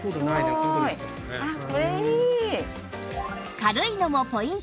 軽いのもポイント！